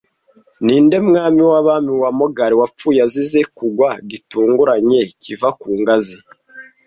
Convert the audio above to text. Ninde mwami w'abami wa Mogali, wapfuye azize 'kugwa gitunguranye kiva ku ngazi,